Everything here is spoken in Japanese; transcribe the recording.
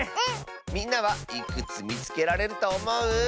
みんなはいくつみつけられるとおもう？